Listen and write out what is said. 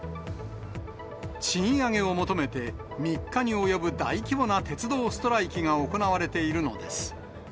賃上げを求めて、３日に及ぶ大規模な鉄道ストライキが行われているのです。